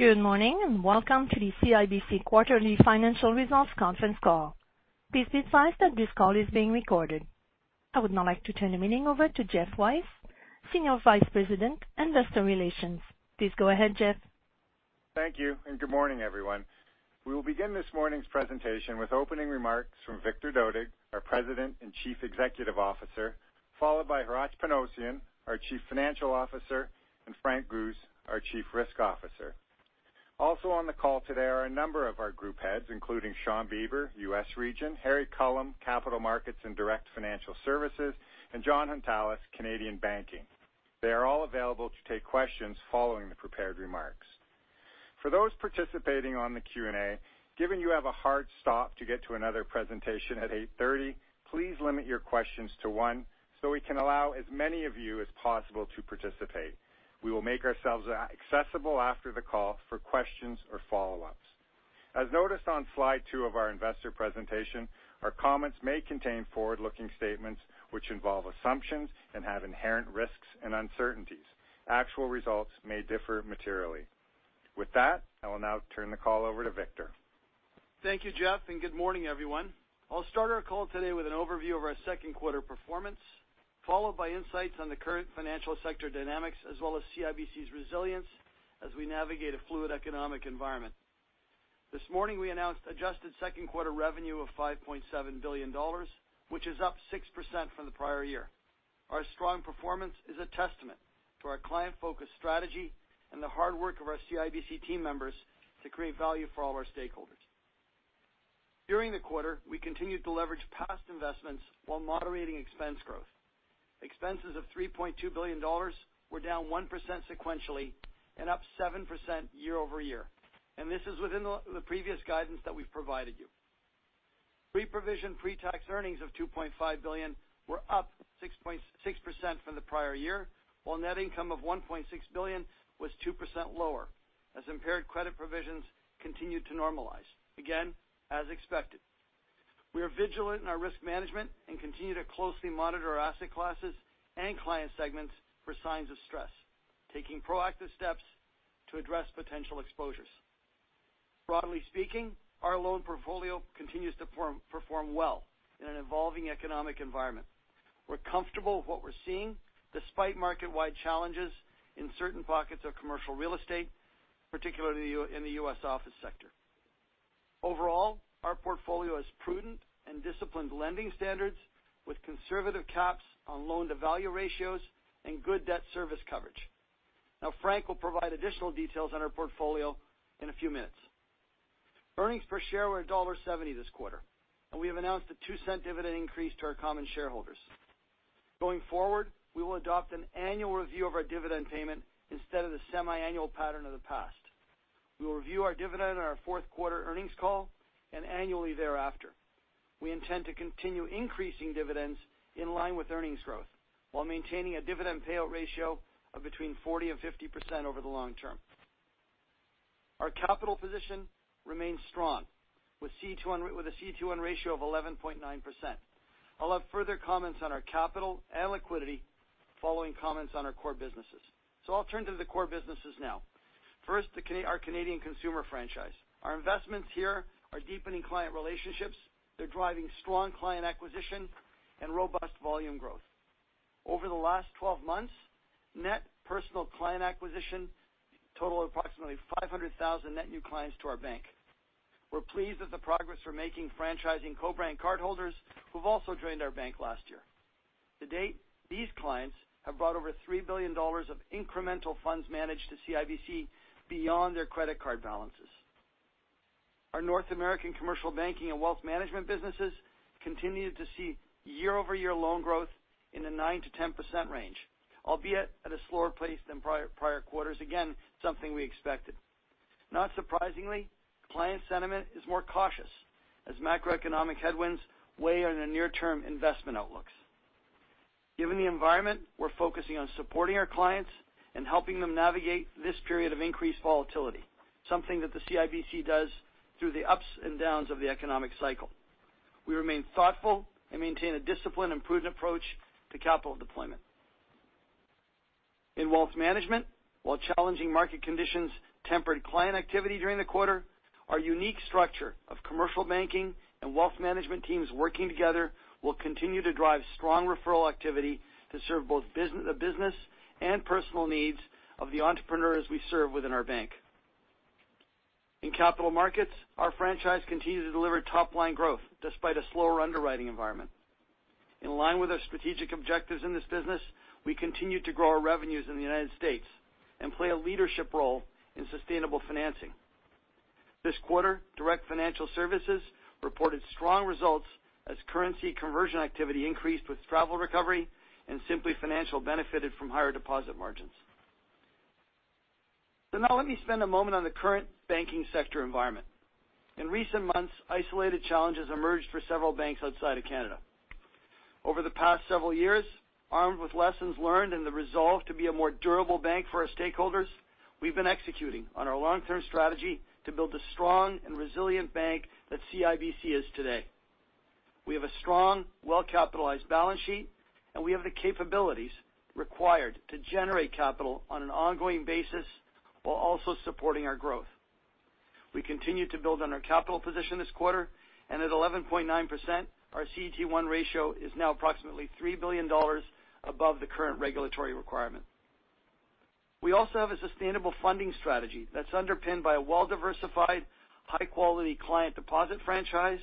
Good morning, welcome to the CIBC quarterly financial results conference call. Please be advised that this call is being recorded. I would now like to turn the meeting over to Geoff Weiss, Senior Vice President, Investor Relations. Please go ahead, Geoff. Thank you. Good morning, everyone. We will begin this morning's presentation with opening remarks from Victor Dodig, our President and Chief Executive Officer, followed by Hratch Panossian, our Chief Financial Officer, and Frank Guse, our Chief Risk Officer. On the call today are a number of our group heads, including Shawn Beber, U.S. Region, Harry Culham, Capital Markets and Direct Financial Services, and Jon Hountalas, Canadian Banking. They are all available to take questions following the prepared remarks. For those participating on the Q&A, given you have a hard stop to get to another presentation at 8:30 A.M., please limit your questions to one. We can allow as many of you as possible to participate. We will make ourselves accessible after the call for questions or follow-ups. As noticed on slide twoof our investor presentation, our comments may contain forward-looking statements, which involve assumptions and have inherent risks and uncertainties. Actual results may differ materially. With that, I will now turn the call over to Victor. Thank you, Geoff. Good morning, everyone. I'll start our call today with an overview of our second quarter performance, followed by insights on the current financial sector dynamics, as well as CIBC's resilience as we navigate a fluid economic environment. This morning, we announced adjusted second quarter revenue of CAD$ 5.7 billion, which is up 6% from the prior year. Our strong performance is a testament to our client-focused strategy and the hard work of our CIBC team members to create value for all our stakeholders. During the quarter, we continued to leverage past investments while moderating expense growth. Expenses of CAD$ 3.2 billion were down 1% sequentially and up 7% year-over-year, this is within the previous guidance that we've provided you. Pre-provision, pre-tax earnings of 2.5 billion were up 6% from the prior year, while net income of 1.6 billion was 2% lower, as impaired credit provisions continued to normalize, again, as expected. We are vigilant in our risk management and continue to closely monitor our asset classes and client segments for signs of stress, taking proactive steps to address potential exposures. Broadly speaking, our loan portfolio continues to perform well in an evolving economic environment. We're comfortable with what we're seeing, despite market-wide challenges in certain pockets of commercial real estate, particularly in the U.S. office sector. Overall, our portfolio is prudent and disciplined lending standards, with conservative caps on loan-to-value ratios and good debt service coverage. Frank will provide additional details on our portfolio in a few minutes. Earnings per share were dollar 1.70 this quarter, we have announced a 0.02 dividend increase to our common shareholders. Going forward, we will adopt an annual review of our dividend payment instead of the semi-annual pattern of the past. We will review our dividend on our fourth quarter earnings call and annually thereafter. We intend to continue increasing dividends in line with earnings growth while maintaining a dividend payout ratio of between 40% and 50% over the long term. Our capital position remains strong with a CET1 ratio of 11.9%. I'll have further comments on our capital and liquidity following comments on our core businesses. I'll turn to the core businesses now. First, our Canadian consumer franchise. Our investments here are deepening client relationships. They're driving strong client acquisition and robust volume growth. Over the last 12 months, net personal client acquisition total approximately 500,000 net new clients to our bank. We're pleased with the progress we're making franchising co-brand cardholders who've also joined our bank last year. To date, these clients have brought over 3 billion dollars of incremental funds managed to CIBC beyond their credit card balances. Our North American commercial banking and wealth management businesses continued to see year-over-year loan growth in the 9%-10% range, albeit at a slower pace than prior quarters, again, something we expected. Not surprisingly, client sentiment is more cautious as macroeconomic headwinds weigh on the near-term investment outlooks. Given the environment, we're focusing on supporting our clients and helping them navigate this period of increased volatility, something that the CIBC does through the ups and downs of the economic cycle. We remain thoughtful and maintain a disciplined and prudent approach to capital deployment. In wealth management, while challenging market conditions tempered client activity during the quarter, our unique structure of commercial banking and wealth management teams working together will continue to drive strong referral activity to serve both the business and personal needs of the entrepreneurs we serve within our bank. In capital markets, our franchise continues to deliver top-line growth despite a slower underwriting environment. In line with our strategic objectives in this business, we continue to grow our revenues in the United States and play a leadership role in sustainable financing. This quarter, Direct Financial Services reported strong results as currency conversion activity increased with travel recovery, and Simplii Financial benefited from higher deposit margins. Now let me spend a moment on the current banking sector environment. In recent months, isolated challenges emerged for several banks outside of Canada. Over the past several years, armed with lessons learned and the resolve to be a more durable bank for our stakeholders, we've been executing on our long-term strategy to build a strong and resilient bank that CIBC is today. We have a strong, well-capitalized balance sheet. We have the capabilities required to generate capital on an ongoing basis while also supporting our growth. We continued to build on our capital position this quarter. At 11.9%, our CET1 ratio is now approximately CAD $3 billion above the current regulatory requirement. We also have a sustainable funding strategy that's underpinned by a well-diversified, high-quality client deposit franchise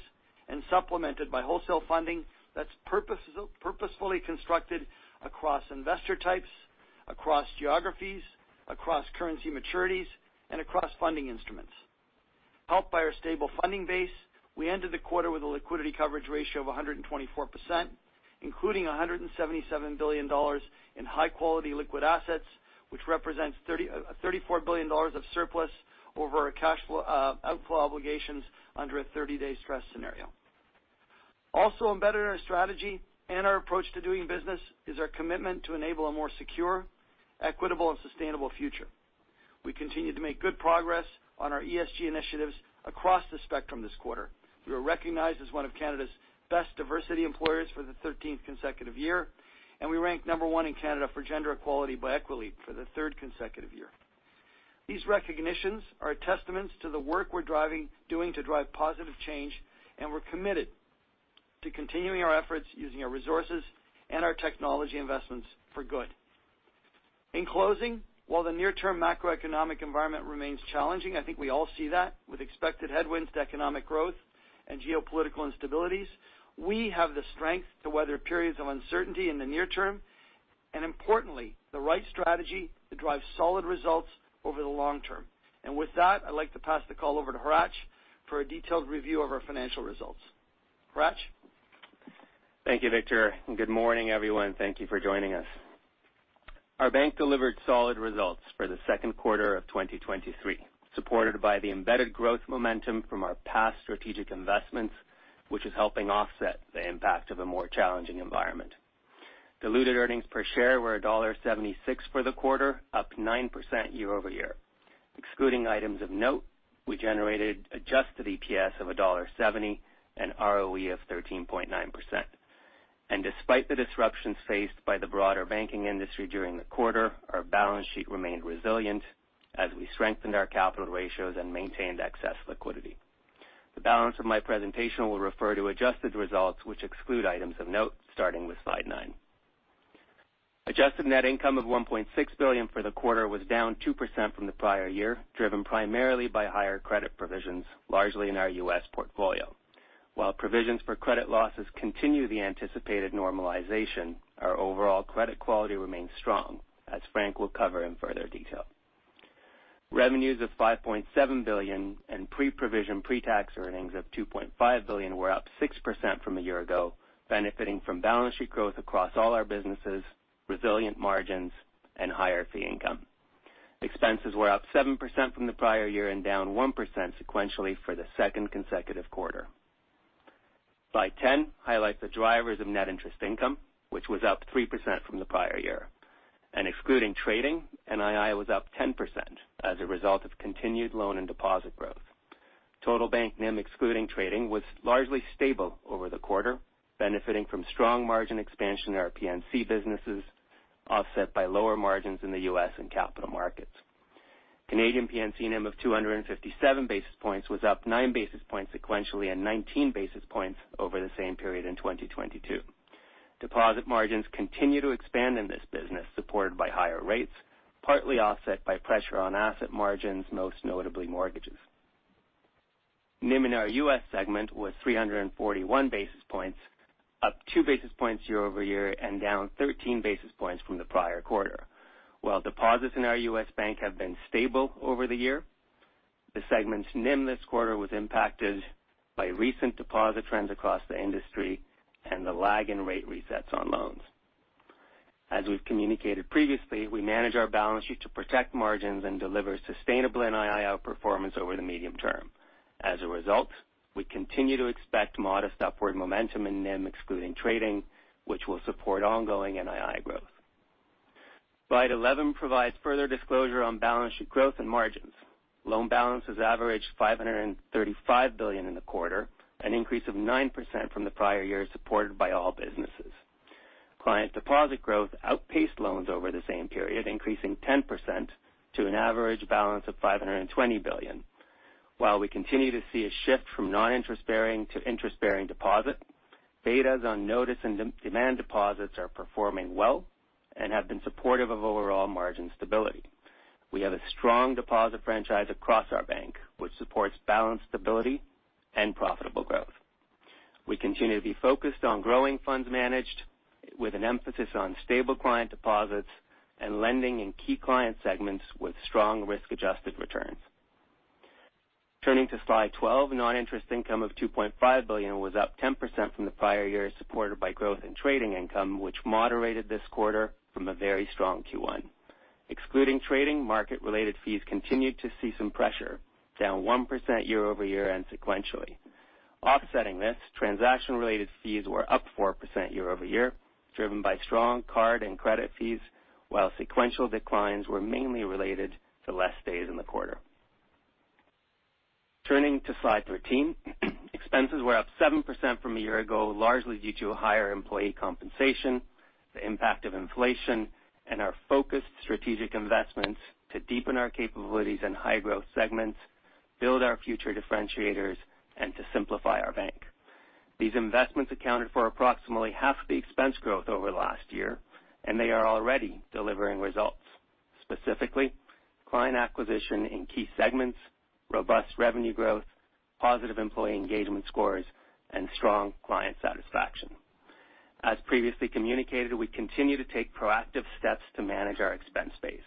and supplemented by wholesale funding that's purposefully constructed across investor types, across geographies, across currency maturities, and across funding instruments. Helped by our stable funding base, we ended the quarter with a liquidity coverage ratio of 124%, including CAD $177 billion in high-quality liquid assets, which represents 34 billion dollars of surplus over our cash flow outflow obligations under a 30-day stress scenario. Embedded in our strategy and our approach to doing business is our commitment to enable a more secure, equitable, and sustainable future. We continued to make good progress on our ESG initiatives across the spectrum this quarter. We were recognized as one of Canada's best diversity employers for the 13th consecutive year, and we ranked number one in Canada for gender equality by Equileap for the third consecutive year. These recognitions are testaments to the work we're doing to drive positive change, and we're committed to continuing our efforts using our resources and our technology investments for good. In closing, while the near-term macroeconomic environment remains challenging, I think we all see that, with expected headwinds to economic growth and geopolitical instabilities, we have the strength to weather periods of uncertainty in the near term, and importantly, the right strategy to drive solid results over the long term. With that, I'd like to pass the call over to Hratch for a detailed review of our financial results. Hratch? Thank you, Victor, and good morning, everyone. Thank you for joining us. Our bank delivered solid results for the second quarter of 2023, supported by the embedded growth momentum from our past strategic investments, which is helping offset the impact of a more challenging environment. Diluted earnings per share were $1.76 for the quarter, up 9% year-over-year. Excluding items of note, we generated adjusted EPS of $1.70 and ROE of 13.9%. Despite the disruptions faced by the broader banking industry during the quarter, our balance sheet remained resilient as we strengthened our capital ratios and maintained excess liquidity. The balance of my presentation will refer to adjusted results, which exclude items of note, starting with slide nine. Adjusted net income of 1.6 billion for the quarter was down 2% from the prior year, driven primarily by higher credit provisions, largely in our U.S. portfolio. While provisions for credit losses continue the anticipated normalization, our overall credit quality remains strong, as Frank will cover in further detail. Revenues of 5.7 billion and pre-provision, pre-tax earnings of 2.5 billion were up 6% from a year ago, benefiting from balance sheet growth across all our businesses, resilient margins, and higher fee income. Expenses were up 7% from the prior year and down 1% sequentially for the second consecutive quarter. Slide 10 highlights the drivers of net interest income, which was up 3% from the prior year, and excluding trading, NII was up 10% as a result of continued loan and deposit growth. Total bank NIM, excluding trading, was largely stable over the quarter, benefiting from strong margin expansion in our P&C businesses, offset by lower margins in the U.S. and capital markets. Canadian P&C NIM of 257 basis points was up nine basis points sequentially and 19 basis points over the same period in 2022. Deposit margins continue to expand in this business, supported by higher rates, partly offset by pressure on asset margins, most notably mortgages. NIM in our U.S. segment was 341 basis points, up two basis points year-over-year and down 13 basis points from the prior quarter. While deposits in our U.S. bank have been stable over the year, the segment's NIM this quarter was impacted by recent deposit trends across the industry and the lag in rate resets on loans. As we've communicated previously, we manage our balance sheet to protect margins and deliver sustainable NII outperformance over the medium term. As a result, we continue to expect modest upward momentum in NIM, excluding trading, which will support ongoing NII growth. Slide 11 provides further disclosure on balance sheet growth and margins. Loan balances averaged 535 billion in the quarter, an increase of 9% from the prior year, supported by all businesses. Client deposit growth outpaced loans over the same period, increasing 10% to an average balance of 520 billion. While we continue to see a shift from non-interest bearing to interest-bearing deposit, betas on notice and de-demand deposits are performing well and have been supportive of overall margin stability. We have a strong deposit franchise across our bank, which supports balance stability and profitable growth. We continue to be focused on growing funds managed, with an emphasis on stable client deposits and lending in key client segments with strong risk-adjusted returns. Turning to slide 12, non-interest income of 2.5 billion was up 10% from the prior year, supported by growth in trading income, which moderated this quarter from a very strong Q1. Excluding trading, market-related fees continued to see some pressure, down 1% year-over-year and sequentially. Offsetting this, transaction-related fees were up 4% year-over-year, driven by strong card and credit fees, while sequential declines were mainly related to less days in the quarter. Turning to Slide 13, expenses were up 7% from a year ago, largely due to higher employee compensation, the impact of inflation, and our focused strategic investments to deepen our capabilities in high growth segments, build our future differentiators, and to simplify our bank. These investments accounted for approximately half the expense growth over the last year, and they are already delivering results. Specifically, client acquisition in key segments, robust revenue growth, positive employee engagement scores, and strong client satisfaction. As previously communicated, we continue to take proactive steps to manage our expense base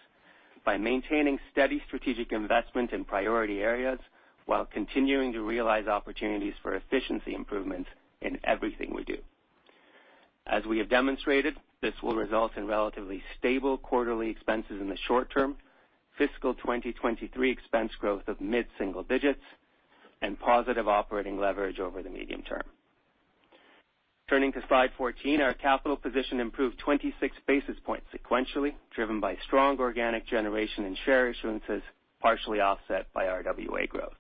by maintaining steady strategic investment in priority areas while continuing to realize opportunities for efficiency improvements in everything we do. As we have demonstrated, this will result in relatively stable quarterly expenses in the short term, fiscal 2023 expense growth of mid-single digits, and positive operating leverage over the medium term. Turning to Slide 14, our capital position improved 26 basis points sequentially, driven by strong organic generation and share issuances, partially offset by our RWA growth.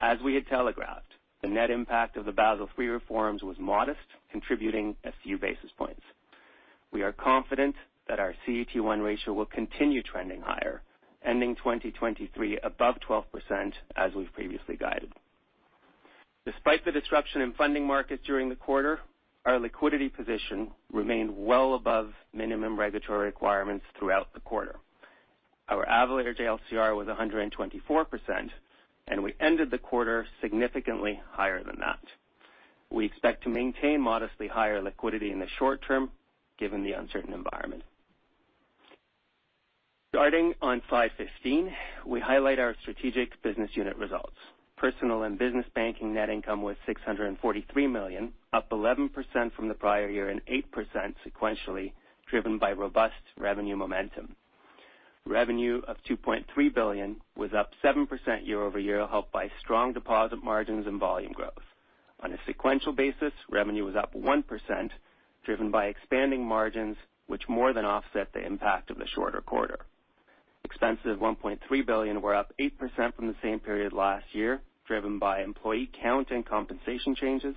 As we had telegraphed, the net impact of the Basel III reforms was modest, contributing a few basis points. We are confident that our CET1 ratio will continue trending higher, ending 2023 above 12%, as we've previously guided. Despite the disruption in funding markets during the quarter, our liquidity position remained well above minimum regulatory requirements throughout the quarter. Our average LCR was 124%. We ended the quarter significantly higher than that. We expect to maintain modestly higher liquidity in the short term given the uncertain environment. Starting on Slide 15, we highlight our strategic business unit results. Personal and business banking net income was 643 million, up 11% from the prior year and 8% sequentially, driven by robust revenue momentum. Revenue of 2.3 billion was up 7% year-over-year, helped by strong deposit margins and volume growth. On a sequential basis, revenue was up 1%, driven by expanding margins, which more than offset the impact of the shorter quarter. Expenses of 1.3 billion were up 8% from the same period last year, driven by employee count and compensation changes,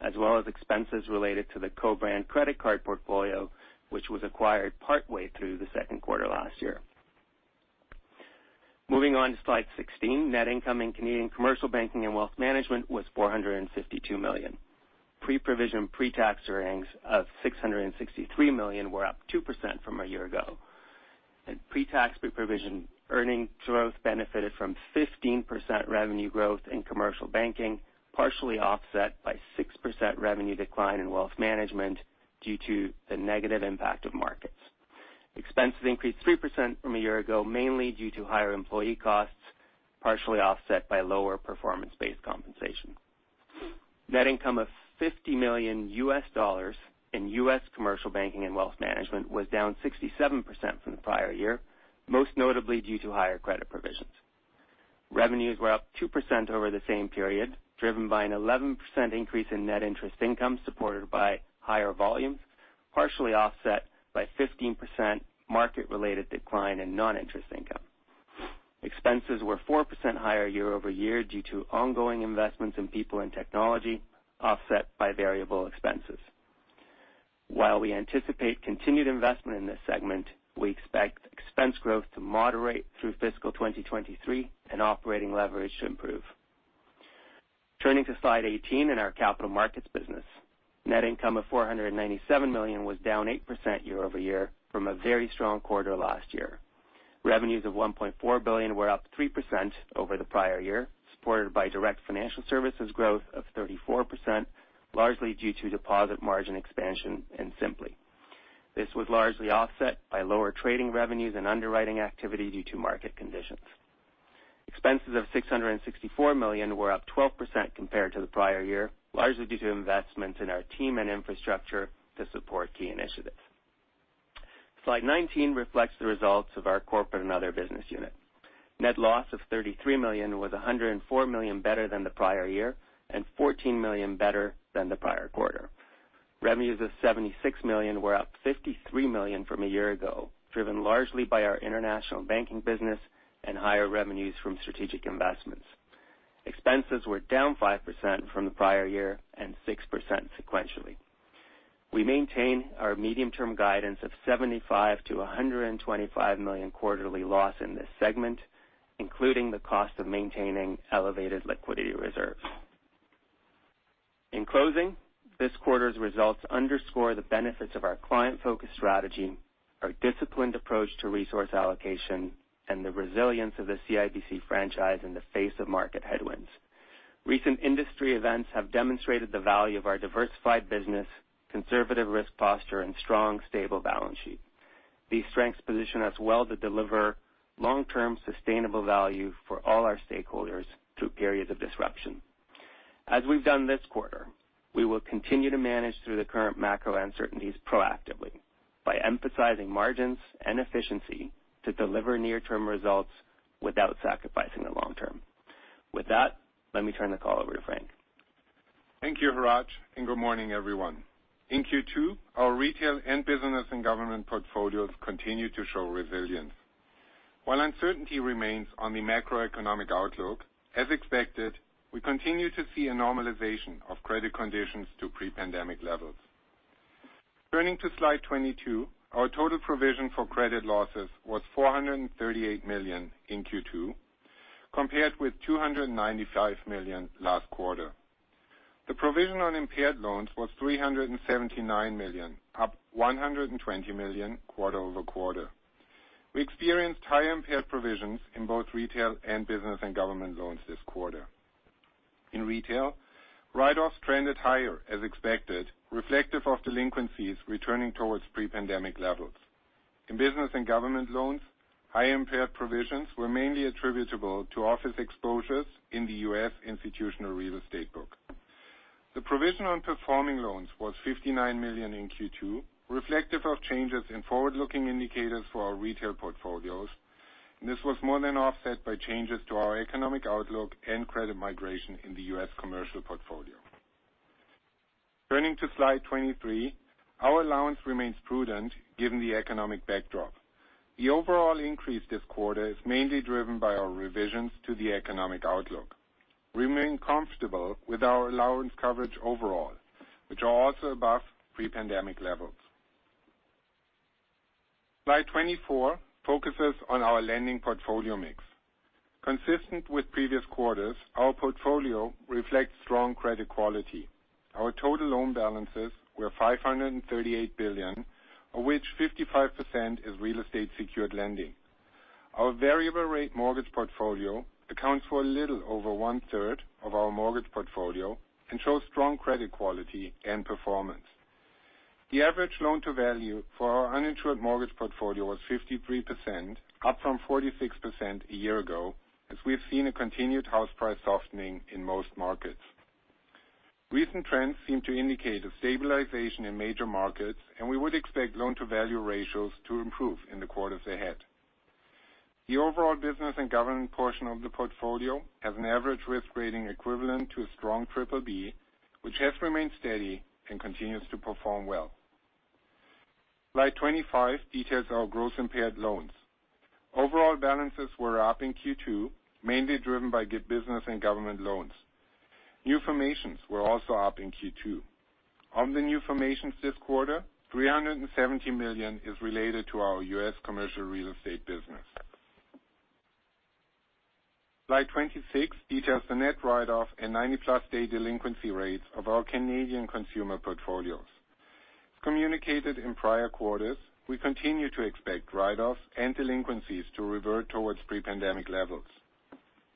as well as expenses related to the co-brand credit card portfolio, which was acquired partway through the second quarter last year. Moving on to Slide 16, net income in Canadian Commercial Banking and Wealth Management was 452 million. Pre-provision, pre-tax earnings of 663 million were up 2% from a year ago. Pre-tax, pre-provision earning growth benefited from 15% revenue growth in Commercial Banking, partially offset by 6% revenue decline in Wealth Management due to the negative impact of markets. Expenses increased 3% from a year ago, mainly due to higher employee costs, partially offset by lower performance-based compensation. Net income of $50 million in U.S. Commercial Banking and Wealth Management was down 67% from the prior year, most notably due to higher credit provisions. Revenues were up 2% over the same period, driven by an 11% increase in net interest income supported by higher volumes, partially offset by 15% market-related decline in non-interest income. Expenses were 4% higher year-over-year due to ongoing investments in people and technology, offset by variable expenses. While we anticipate continued investment in this segment, we expect expense growth to moderate through fiscal 2023 and operating leverage to improve. Turning to Slide 18 in our Capital Markets business. Net income of 497 million was down 8% year-over-year from a very strong quarter last year. Revenues of 1.4 billion were up 3% over the prior year, supported by Direct Financial Services growth of 34%, largely due to deposit margin expansion and Simplii. This was largely offset by lower trading revenues and underwriting activity due to market conditions. Expenses of 664 million were up 12% compared to the prior year, largely due to investments in our team and infrastructure to support key initiatives. Slide 19 reflects the results of our corporate and other business unit. Net loss of 33 million was 104 million better than the prior year and 14 million better than the prior quarter. Revenues of 76 million were up 53 million from a year ago, driven largely by our international banking business and higher revenues from strategic investments. Expenses were down 5% from the prior year and 6% sequentially. We maintain our medium-term guidance of 75 million-125 million quarterly loss in this segment, including the cost of maintaining elevated liquidity reserves. In closing, this quarter's results underscore the benefits of our client-focused strategy, our disciplined approach to resource allocation, and the resilience of the CIBC franchise in the face of market headwinds. Recent industry events have demonstrated the value of our diversified business, conservative risk posture, and strong, stable balance sheet. These strengths position us well to deliver long-term sustainable value for all our stakeholders through periods of disruption. As we've done this quarter, we will continue to manage through the current macro uncertainties proactively by emphasizing margins and efficiency to deliver near-term results without sacrificing the long term. With that, let me turn the call over to Frank. Thank you, Hratch, good morning, everyone. In Q2, our retail and business and government portfolios continued to show resilience. While uncertainty remains on the macroeconomic outlook, as expected, we continue to see a normalization of credit conditions to pre-pandemic levels. Turning to Slide 22, our total provision for credit losses was 438 million in Q2, compared with 295 million last quarter. The provision on impaired loans was 379 million, up 120 million quarter-over-quarter. We experienced high impaired provisions in both retail and business and government loans this quarter. In retail, write-offs trended higher, as expected, reflective of delinquencies returning towards pre-pandemic levels. In business and government loans, high impaired provisions were mainly attributable to office exposures in the U.S. institutional real estate book. The provision on performing loans was 59 million in Q2, reflective of changes in forward-looking indicators for our retail portfolios. This was more than offset by changes to our economic outlook and credit migration in the U.S. commercial portfolio. Turning to Slide 23, our allowance remains prudent given the economic backdrop. The overall increase this quarter is mainly driven by our revisions to the economic outlook. We remain comfortable with our allowance coverage overall, which are also above pre-pandemic levels. Slide 24 focuses on our lending portfolio mix. Consistent with previous quarters, our portfolio reflects strong credit quality. Our total loan balances were 538 billion, of which 55% is real estate-secured lending. Our variable rate mortgage portfolio accounts for a little over one third of our mortgage portfolio and shows strong credit quality and performance. The average loan-to-value for our uninsured mortgage portfolio was 53%, up from 46% a year ago, as we've seen a continued house price softening in most markets. Recent trends seem to indicate a stabilization in major markets. We would expect loan-to-value ratios to improve in the quarters ahead. The overall business and government portion of the portfolio has an average risk rating equivalent to a strong BBB, which has remained steady and continues to perform well. Slide 25 details our gross impaired loans. Overall balances were up in Q2, mainly driven by good business and government loans. New formations were also up in Q2. On the new formations this quarter, 370 million is related to our US commercial real estate business. Slide 26 details the net write-off and 90-plus day delinquency rates of our Canadian consumer portfolios. Communicated in prior quarters, we continue to expect write-offs and delinquencies to revert towards pre-pandemic levels.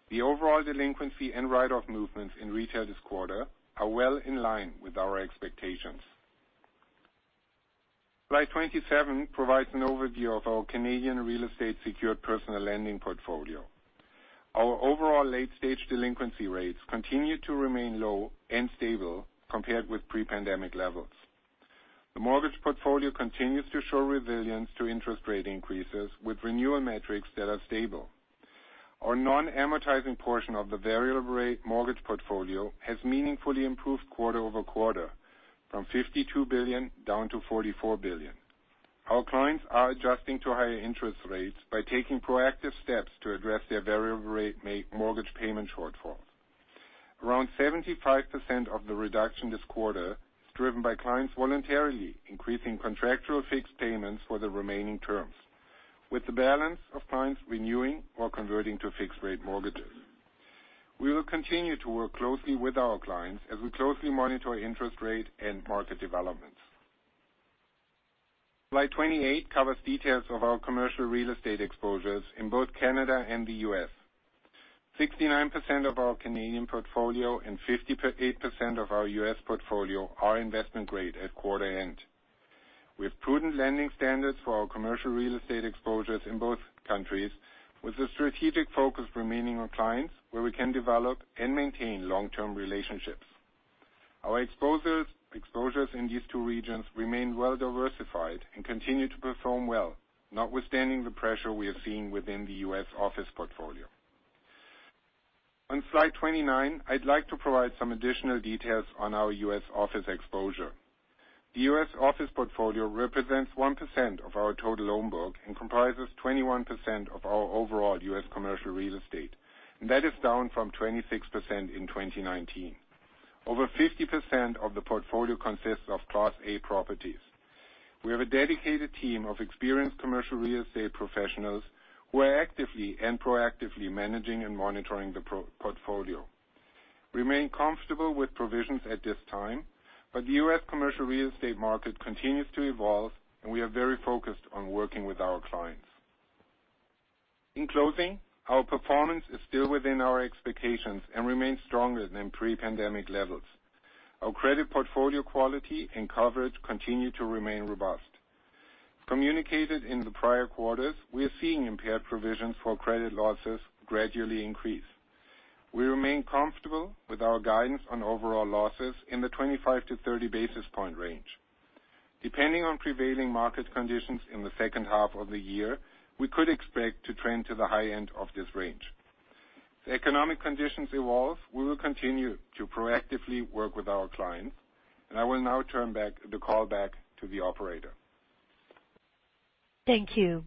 The overall delinquency and write-off movements in retail this quarter are well in line with our expectations. Slide 27 provides an overview of our Canadian real estate secured personal lending portfolio. Our overall late-stage delinquency rates continue to remain low and stable compared with pre-pandemic levels. The mortgage portfolio continues to show resilience to interest rate increases with renewal metrics that are stable. Our non-amortizing portion of the variable rate mortgage portfolio has meaningfully improved quarter-over-quarter from 52 billion down to 44 billion. Our clients are adjusting to higher interest rates by taking proactive steps to address their variable rate mortgage payment shortfall. Around 75% of the reduction this quarter is driven by clients voluntarily increasing contractual fixed payments for the remaining terms, with the balance of clients renewing or converting to fixed-rate mortgages. We will continue to work closely with our clients as we closely monitor interest rate and market developments. Slide 28 covers details of our commercial real estate exposures in both Canada and the U.S. 69% of our Canadian portfolio and 58% of our U.S. portfolio are investment grade at quarter end. We have prudent lending standards for our commercial real estate exposures in both countries, with a strategic focus remaining on clients, where we can develop and maintain long-term relationships. Our exposures in these two regions remain well diversified and continue to perform well, notwithstanding the pressure we are seeing within the U.S. office portfolio. On Slide 29, I'd like to provide some additional details on our U.S. office exposure. The U.S. office portfolio represents 1% of our total loan book and comprises 21% of our overall U.S. commercial real estate. That is down from 26% in 2019. Over 50% of the portfolio consists of Class A properties. We have a dedicated team of experienced commercial real estate professionals who are actively and proactively managing and monitoring the portfolio. We remain comfortable with provisions at this time, but the U.S. commercial real estate market continues to evolve, and we are very focused on working with our clients. In closing, our performance is still within our expectations and remains stronger than pre-pandemic levels. Our credit portfolio quality and coverage continue to remain robust. Communicated in the prior quarters, we are seeing impaired provisions for credit losses gradually increase. We remain comfortable with our guidance on overall losses in the 25-30 basis point range.... depending on prevailing market conditions in the second half of the year, we could expect to trend to the high end of this range. As economic conditions evolve, we will continue to proactively work with our clients. I will now turn the call back to the operator. Thank you.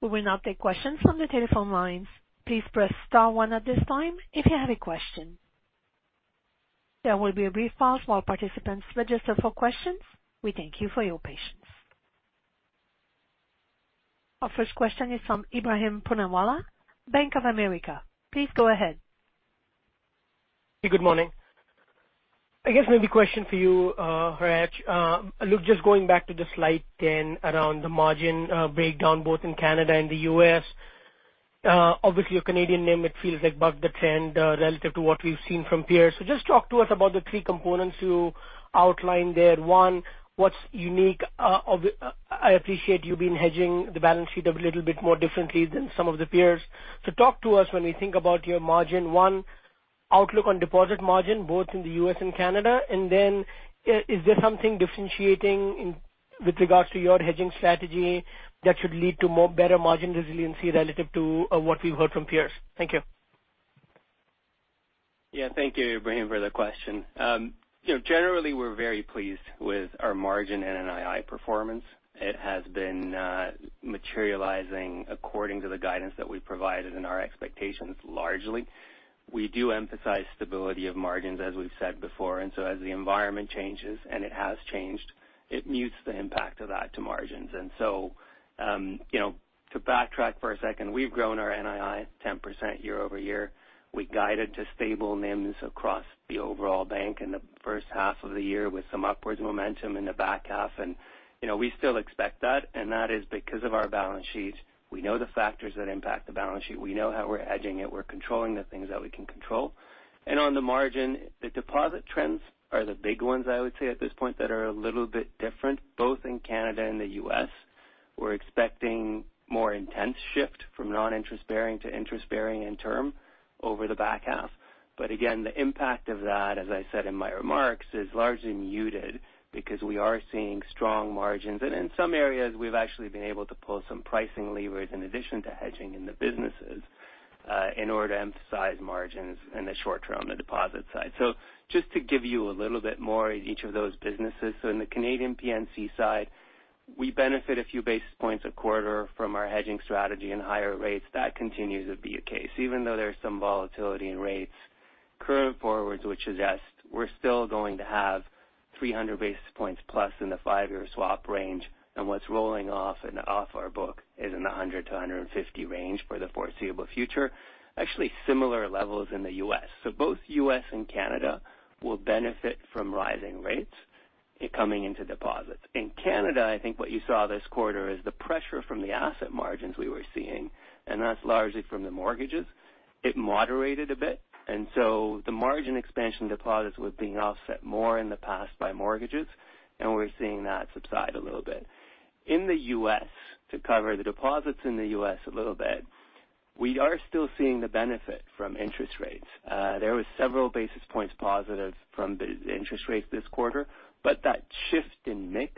We will now take questions from the telephone lines. Please press star one at this time, if you have a question. There will be a brief pause while participants register for questions. We thank you for your patience. Our first question is from Ebrahim Poonawala, Bank of America. Please go ahead. Good morning. I guess maybe a question for you, Hratch Panossian. Look, just going back to the slide 10 around the margin breakdown, both in Canada and the U.S. Obviously, a Canadian NIM, it feels like, bucked the trend relative to what we've seen from peers. Just talk to us about the three components you outlined there. One, what's unique, I appreciate you've been hedging the balance sheet a little bit more differently than some of the peers. Talk to us when we think about your margin, one, outlook on deposit margin, both in the U.S. and Canada. Then, is there something differentiating in, with regards to your hedging strategy that should lead to more better margin resiliency relative to what we've heard from peers? Thank you. Yeah, thank you, Ebrahim, for the question. you know, generally, we're very pleased with our margin and NII performance. It has been materializing according to the guidance that we provided and our expectations, largely. We do emphasize stability of margins, as we've said before, as the environment changes, and it has changed, it mutes the impact of that to margins. you know, to backtrack for a second, we've grown our NII 10% year-over-year. We guided to stable NIMs across the overall bank in the first half of the year with some upwards momentum in the back half, you know, we still expect that. That is because of our balance sheet. We know the factors that impact the balance sheet. We know how we're hedging it. We're controlling the things that we can control. On the margin, the deposit trends are the big ones, I would say, at this point, that are a little bit different, both in Canada and the U.S. We're expecting more intense shift from non-interest bearing to interest bearing and term over the back half. Again, the impact of that, as I said in my remarks, is largely muted because we are seeing strong margins. In some areas, we've actually been able to pull some pricing levers in addition to hedging in the businesses, in order to emphasize margins in the short term on the deposit side. Just to give you a little bit more in each of those businesses. In the Canadian P&C side, we benefit a few basis points a quarter from our hedging strategy and higher rates. That continues to be the case. Even though there's some volatility in rates, current forwards, which suggest we're still going to have 300 basis points plus in the five-year swap range, and what's rolling off and off our book is in the 100-150 range for the foreseeable future. Actually, similar levels in the U.S. Both U.S. and Canada will benefit from rising rates coming into deposits. In Canada, I think what you saw this quarter is the pressure from the asset margins we were seeing, and that's largely from the mortgages. It moderated a bit, and so the margin expansion deposits was being offset more in the past by mortgages, and we're seeing that subside a little bit. In the U.S., to cover the deposits in the U.S. a little bit, we are still seeing the benefit from interest rates. There was several basis points positive from the interest rates this quarter, but that shift in mix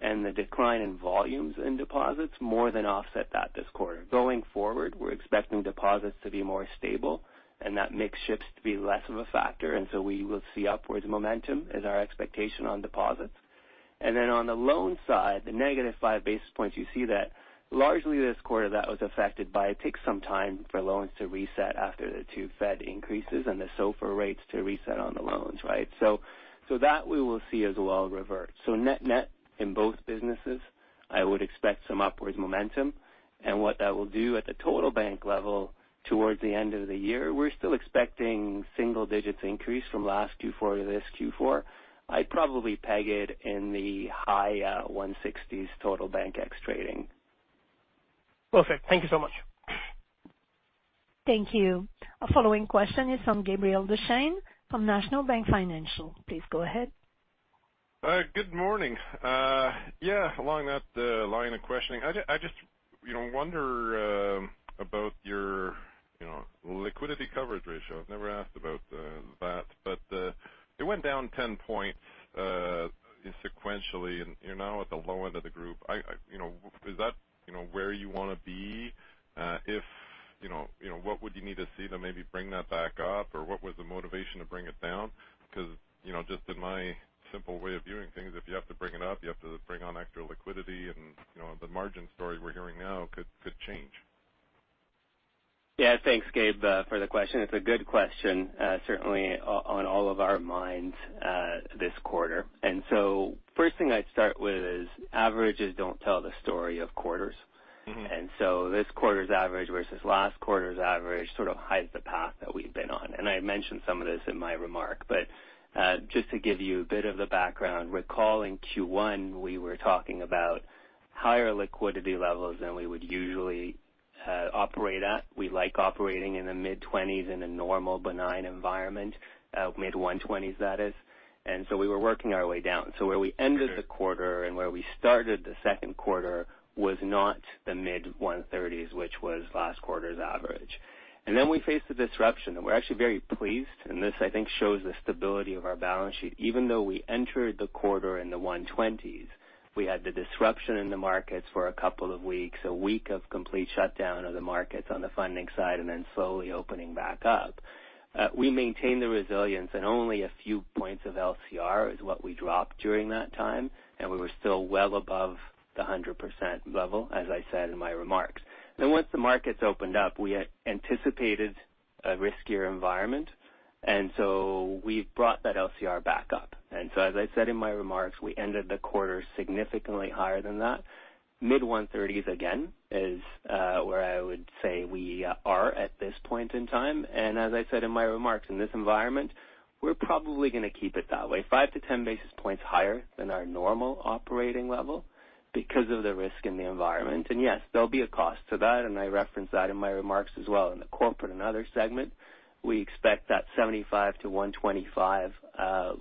and the decline in volumes in deposits more than offset that this quarter. Going forward, we're expecting deposits to be more stable and that mix shifts to be less of a factor. We will see upwards momentum as our expectation on deposits. Then on the loan side, the -five basis points, you see that largely this quarter that was affected by it takes some time for loans to reset after the 2 Fed increases and the SOFR rates to reset on the loans, right? That we will see as well revert. Net-net, in both businesses, I would expect some upwards momentum. What that will do at the total bank level towards the end of the year, we're still expecting single-digit increase from last Q4 to this Q4. I'd probably peg it in the high, 160s, total bank ex trading. Perfect. Thank you so much. Thank you. Our following question is from Gabriel Dechaine from National Bank Financial. Please go ahead. Good morning. Yeah, along that line of questioning, I just, you know, wonder about your, you know, liquidity coverage ratio. I've never asked about that, but it went down 10 points sequentially, and you're now at the low end of the group. I, you know, is that, you know, where you want to be? If, you know, what would you need to see to maybe bring that back up, or what was the motivation to bring it down? You know, just in my simple way of viewing things, if you have to bring it up, you have to bring on extra liquidity, and, you know, the margin story we're hearing now could change. Yeah, thanks, Gabe, for the question. It's a good question, certainly on all of our minds this quarter. First thing I'd start with is averages don't tell the story of quarters. Mm-hmm. This quarter's average versus last quarter's average sort of hides the path that we've been on. I mentioned some of this in my remark, but, just to give you a bit of the background, recalling Q1, we were talking about higher liquidity levels than we would usually, operate at. We like operating in the mid-twenties in a normal, benign environment, mid-one twenties, that is. We were working our way down. Where we ended the quarter and where we started the second quarter was not the mid-one thirties, which was last quarter's average. We faced the disruption, and we're actually very pleased, and this, I think, shows the stability of our balance sheet. Even though we entered the quarter in the 120s, we had the disruption in the markets for a couple of weeks, a week of complete shutdown of the markets on the funding side, and then slowly opening back up. We maintained the resilience, and only a few points of LCR is what we dropped during that time, and we were still well above the 100% level, as I said in my remarks. Once the markets opened up, we anticipated a riskier environment, and so we brought that LCR back up. As I said in my remarks, we ended the quarter significantly higher than that. Mid-130s, again, is where I would say we are at this point in time. As I said in my remarks, in this environment, we're probably going to keep it that way, five-10 basis points higher than our normal operating level because of the risk in the environment. Yes, there'll be a cost to that, and I referenced that in my remarks as well. In the corporate and other segment, we expect that 75-125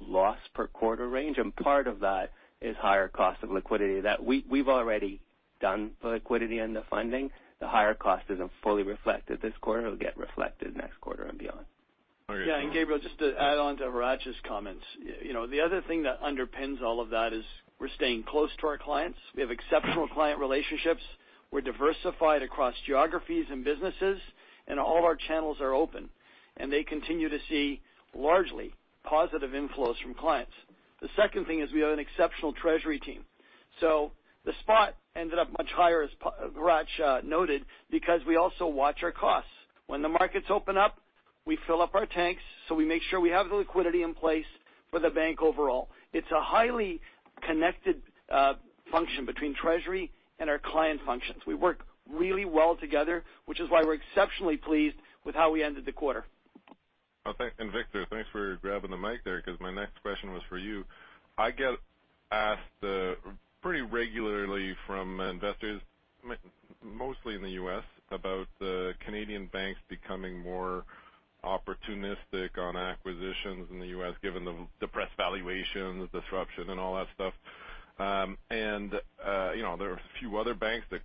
loss per quarter range, and part of that is higher cost of liquidity, that we've already done the liquidity and the funding. The higher cost isn't fully reflected this quarter. It'll get reflected next quarter and beyond. Gabriel, just to add on to Hratch's comments, you know, the other thing that underpins all of that is we're staying close to our clients. We have exceptional client relationships. We're diversified across geographies and businesses, and all our channels are open, and they continue to see largely positive inflows from clients. The second thing is we have an exceptional treasury team. The spot ended up much higher, as Hratch noted, because we also watch our costs. When the markets open up, we fill up our tanks, so we make sure we have the liquidity in place for the bank overall. It's a highly connected function between treasury and our client functions. We work really well together, which is why we're exceptionally pleased with how we ended the quarter. Victor, thanks for grabbing the mic there, because my next question was for you. I get asked pretty regularly from investors, mostly in the U.S., about the Canadian banks becoming more opportunistic on acquisitions in the U.S., given the depressed valuations, disruption, and all that stuff. You know, there are a few other banks that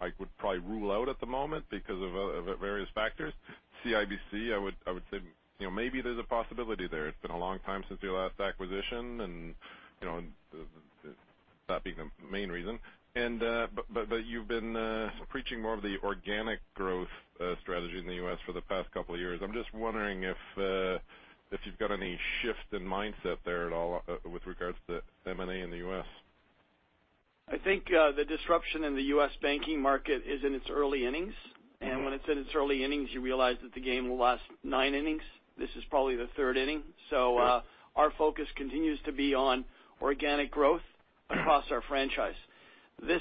I would probably rule out at the moment because of various factors. CIBC, I would say, you know, maybe there's a possibility there. It's been a long time since your last acquisition, you know, that being the main reason. But you've been preaching more of the organic growth strategy in the U.S. for the past couple of years. I'm just wondering if you've got any shift in mindset there at all, with regards to M&A in the U.S. I think the disruption in the US banking market is in its early innings. When it's in its early innings, you realize that the game will last nine innings. This is probably the third inning. Our focus continues to be on organic growth across our franchise. This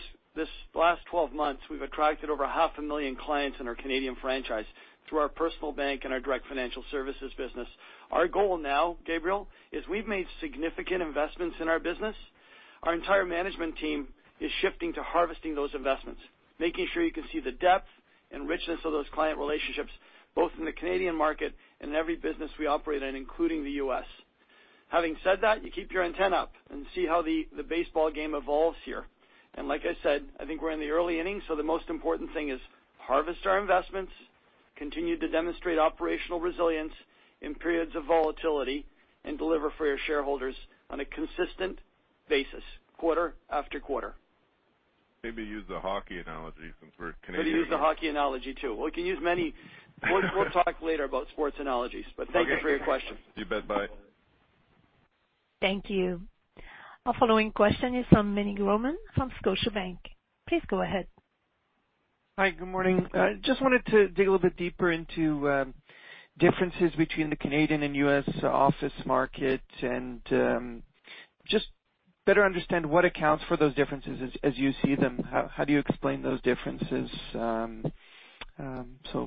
last 12 months, we've attracted over half a million clients in our Canadian franchise through our personal bank and our Direct Financial Services business. Our goal now, Gabriel, is we've made significant investments in our business. Our entire management team is shifting to harvesting those investments, making sure you can see the depth and richness of those client relationships, both in the Canadian market and every business we operate in, including the US. Having said that, you keep your antenna up and see how the baseball game evolves here. Like I said, I think we're in the early innings, so the most important thing is harvest our investments, continue to demonstrate operational resilience in periods of volatility, and deliver for your shareholders on a consistent basis, quarter after quarter. Maybe use the hockey analogy since we're Canadian. We can use the hockey analogy, too. We can use many. We'll talk later about sports analogies, but thank you for your question. You bet. Bye. Thank you. Our following question is from Meny Grauman from Scotiabank. Please go ahead. Hi, good morning. I just wanted to dig a little bit deeper into differences between the Canadian and U.S. office market, and just better understand what accounts for those differences as you see them. How do you explain those differences?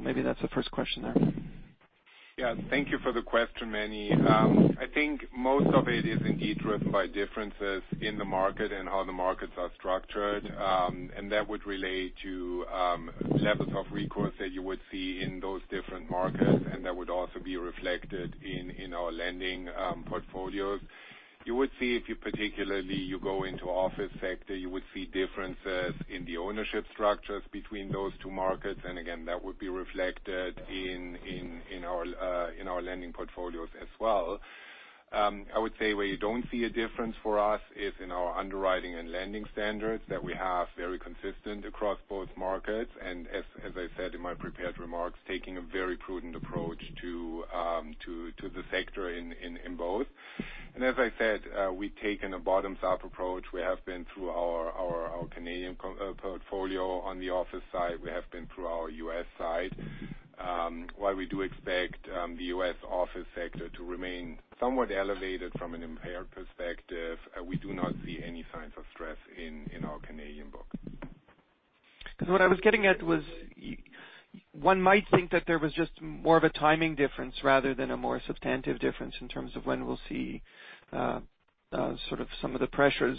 Maybe that's the first question there. Yeah, thank you for the question, Meny. I think most of it is indeed driven by differences in the market and how the markets are structured. That would relate to levels of recourse that you would see in those different markets, and that would also be reflected in our lending portfolios. You would see if you particularly go into office sector, you would see differences in the ownership structures between those two markets. Again, that would be reflected in our lending portfolios as well. I would say where you don't see a difference for us is in our underwriting and lending standards, that we have very consistent across both markets, and as I said in my prepared remarks, taking a very prudent approach to the sector in both. As I said, we've taken a bottom-up approach. We have been through our Canadian portfolio on the office side. We have been through our U.S. side. While we do expect the U.S. office sector to remain somewhat elevated from an impaired perspective, we do not see any signs of stress in our Canadian book. What I was getting at was one might think that there was just more of a timing difference rather than a more substantive difference in terms of when we'll see, sort of some of the pressures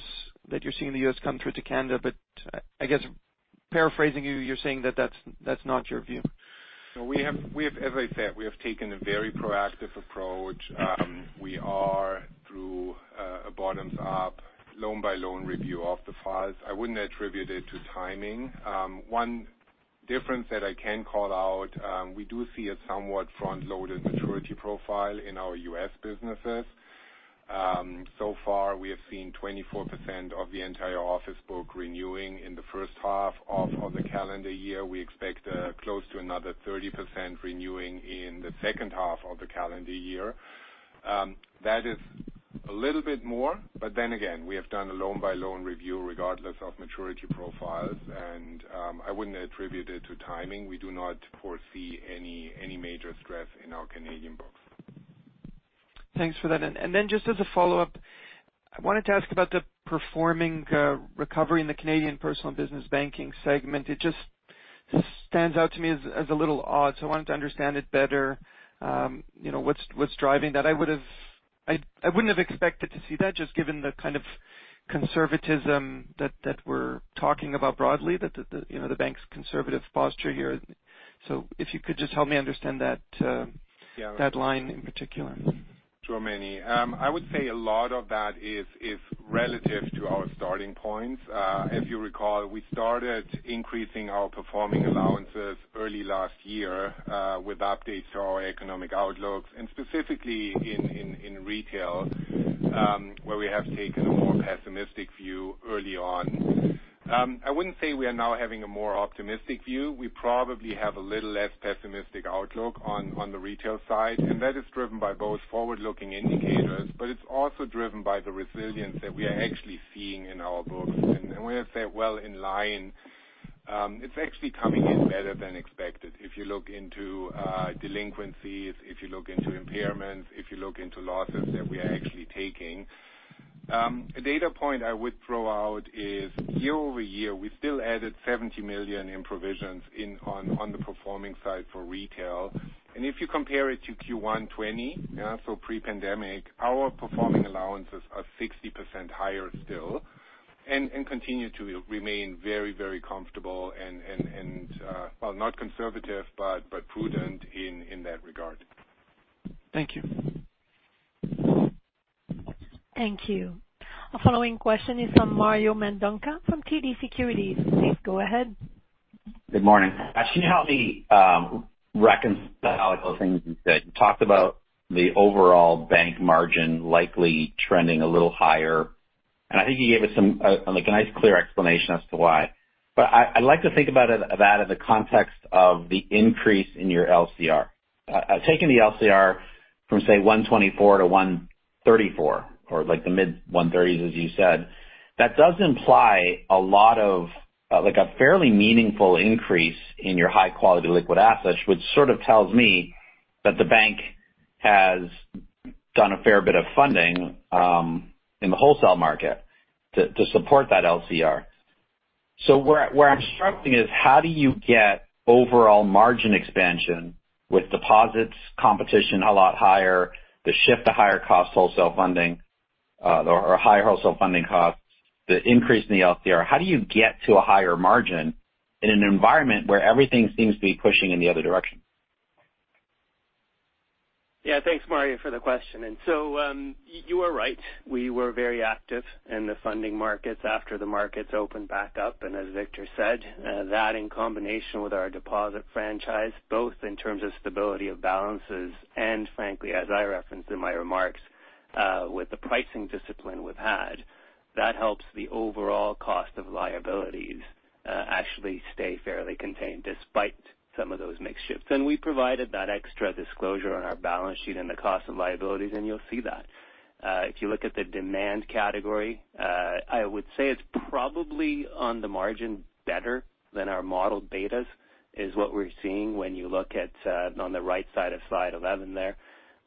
that you're seeing in the U.S. come through to Canada. I guess paraphrasing you're saying that that's not your view. We have as I said, we have taken a very proactive approach. We are through a bottoms up, loan-by-loan review of the files. I wouldn't attribute it to timing. One difference that I can call out, we do see a somewhat front-loaded maturity profile in our U.S. businesses. So far, we have seen 24% of the entire office book renewing in the first half of the calendar year. We expect close to another 30% renewing in the second half of the calendar year. That is a little bit more, but then again, we have done a loan-by-loan review, regardless of maturity profiles, and I wouldn't attribute it to timing. We do not foresee any major stress in our Canadian books. Thanks for that. Then just as a follow-up, I wanted to ask about the performing recovery in the Canadian Personal and Business Banking segment. It just stands out to me as a little odd, so I wanted to understand it better. You know, what's driving that? I wouldn't have expected to see that, just given the kind of conservatism that we're talking about broadly, you know, the bank's conservative posture here. If you could just help me understand that. Yeah. that line in particular. Sure, Meny. I would say a lot of that is relative to our starting points. If you recall, we started increasing our performing allowances early last year, with updates to our economic outlooks, and specifically in retail, where we have taken a more pessimistic view early on. I wouldn't say we are now having a more optimistic view. We probably have a little less pessimistic outlook on the retail side, and that is driven by both forward-looking indicators, but it's also driven by the resilience that we are actually seeing in our books. I would say well in line, it's actually coming in better than expected. If you look into delinquencies, if you look into impairments, if you look into losses that we are actually taking. A data point I would throw out is year-over-year, we still added 70 million in provisions on the performing side for retail. If you compare it to Q1 2020, yeah, pre-pandemic, our performing allowances are 60% higher still, and continue to remain very comfortable and well, not conservative, but prudent in that regard. Thank you. Thank you. Our following question is from Mario Mendonca from TD Securities. Please go ahead. Good morning. Can you help me reconcile a couple things you said? You talked about the overall bank margin likely trending a little higher, and I think you gave us some like a nice clear explanation as to why. I'd like to think about it that in the context of the increase in your LCR. Taking the LCR from, say, 124 to 134, or like the mid-130s, as you said, that does imply a lot of like a fairly meaningful increase in your high-quality liquid assets, which sort of tells me that the bank has done a fair bit of funding in the wholesale market to support that LCR. Where I, where I'm struggling is: How do you get overall margin expansion with deposits, competition a lot higher, the shift to higher cost wholesale funding, or higher wholesale funding costs, the increase in the LCR? How do you get to a higher margin in an environment where everything seems to be pushing in the other direction? Yeah, thanks, Mario, for the question. You are right. We were very active in the funding markets after the markets opened back up, and as Victor said, that in combination with our deposit franchise, both in terms of stability of balances and frankly, as I referenced in my remarks, with the pricing discipline we've had, that helps the overall cost of liabilities, actually stay fairly contained, despite some of those mixed shifts. We provided that extra disclosure on our balance sheet and the cost of liabilities, and you'll see that. If you look at the demand category, I would say it's probably on the margin better than our modeled betas, is what we're seeing when you look at, on the right side of slide 11 there.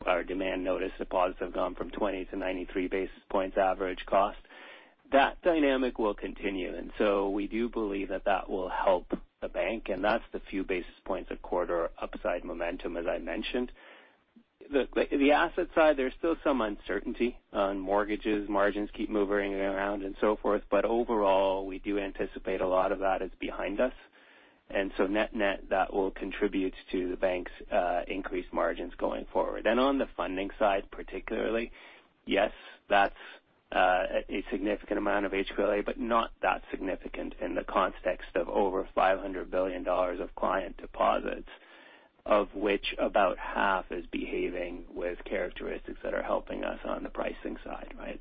Our demand notice deposits have gone from 20 to 93 basis points average cost. That dynamic will continue, and so we do believe that will help the bank, and that's the few basis points a quarter upside momentum, as I mentioned. The asset side, there's still some uncertainty on mortgages. Margins keep moving around and so forth, but overall, we do anticipate a lot of that is behind us. Net-net, that will contribute to the bank's increased margins going forward. On the funding side, particularly, yes, that's a significant amount of HQLA, but not that significant in the context of over 500 billion dollars of client deposits, of which about half is behaving with characteristics that are helping us on the pricing side, right?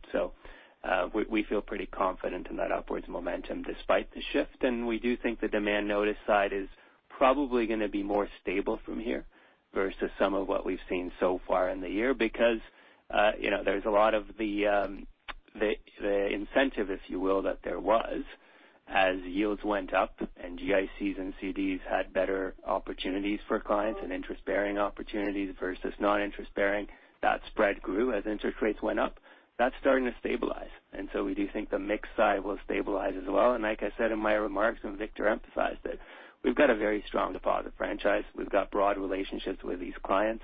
We feel pretty confident in that upwards momentum despite the shift, and we do think the demand notice side is probably gonna be more stable from here versus some of what we've seen so far in the year. You know, there's a lot of the incentive, if you will, that there was as yields went up and GICs and CDs had better opportunities for clients and interest-bearing opportunities versus non-interest bearing. That spread grew as interest rates went up. That's starting to stabilize. We do think the mix side will stabilize as well. Like I said in my remarks, and Victor emphasized it, we've got a very strong deposit franchise. We've got broad relationships with these clients.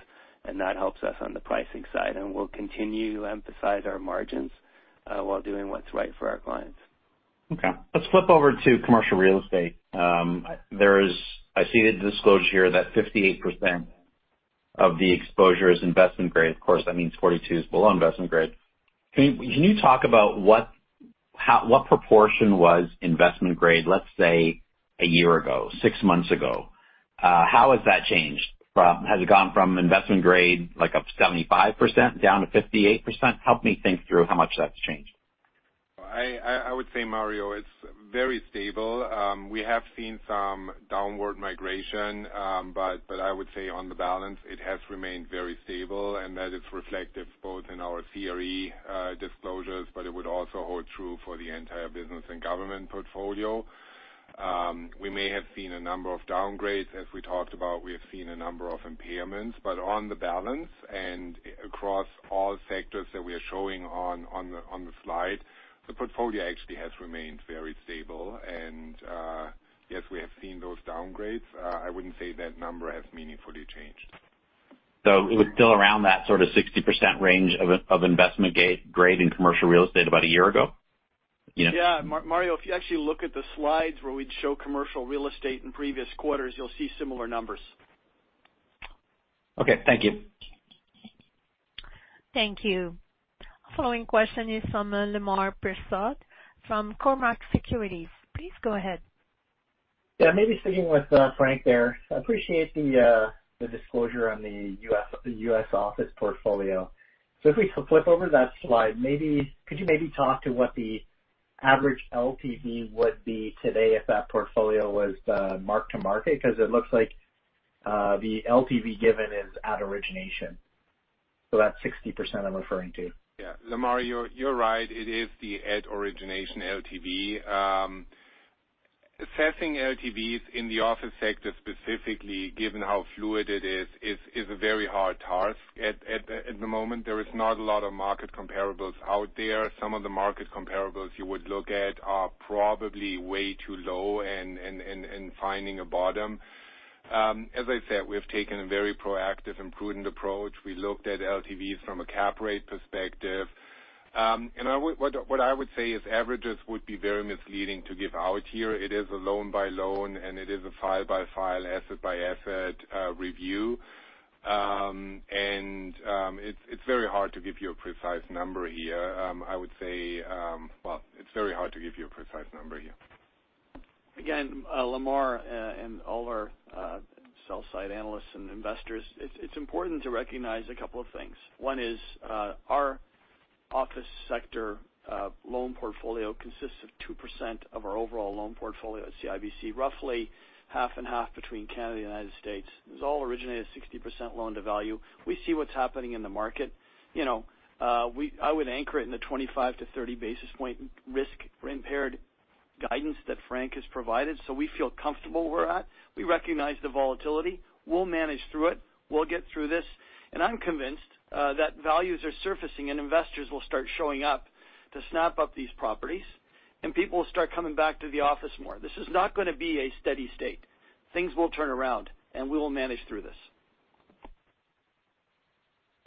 That helps us on the pricing side. We'll continue to emphasize our margins, while doing what's right for our clients. Okay. Let's flip over to commercial real estate. I see a disclosure here that 58% of the exposure is investment grade. Of course, that means 42 is below investment grade. Can you talk about what. how, what proportion was investment grade, let's say, a year ago, six months ago? How has that changed? Has it gone from investment grade, like up 75% down to 58%? Help me think through how much that's changed. I would say, Mario, it's very stable. We have seen some downward migration, but I would say on the balance, it has remained very stable, and that is reflective both in our CRE disclosures, but it would also hold true for the entire business and government portfolio. We may have seen a number of downgrades. As we talked about, we have seen a number of impairments, but on the balance and across all sectors that we are showing on the slide, the portfolio actually has remained very stable. Yes, we have seen those downgrades. I wouldn't say that number has meaningfully changed. It was still around that sort of 60% range of investment grade in commercial real estate about a year ago? You know Yeah, Mario, if you actually look at the slides where we'd show commercial real estate in previous quarters, you'll see similar numbers. Okay, thank you. Thank you. Following question is from Lemar Persaud, from Cormark Securities. Please go ahead. Yeah, maybe sticking with Frank there. I appreciate the disclosure on the U.S., the U.S. office portfolio. If we flip over that slide, could you maybe talk to what the average LTV would be today if that portfolio was mark-to-market? Because it looks like the LTV given is at origination, so that's 60% I'm referring to. Yeah, Lemar, you're right. It is the at origination LTV. Assessing LTVs in the office sector, specifically, given how fluid it is a very hard task at the moment. There is not a lot of market comparables out there. Some of the market comparables you would look at are probably way too low in finding a bottom. As I said, we have taken a very proactive and prudent approach. We looked at LTVs from a cap rate perspective. What I would say is averages would be very misleading to give out here. It is a loan by loan, and it is a file by file, asset by asset, review. It's very hard to give you a precise number here. I would say, well, it's very hard to give you a precise number here. Again, Lemar, and all our sell side analysts and investors, it's important to recognize a couple of things. One is, our office sector, loan portfolio consists of 2% of our overall loan portfolio at CIBC, roughly half and half between Canada and United States. It was all originated at 60% loan-to-value. We see what's happening in the market. You know, I would anchor it in the 25-30 basis point risk for impaired guidance that Frank has provided. We feel comfortable where we're at. We recognize the volatility. We'll manage through it. We'll get through this. I'm convinced that values are surfacing. Investors will start showing up to snap up these properties. People will start coming back to the office more. This is not going to be a steady state. Things will turn around, and we will manage through this.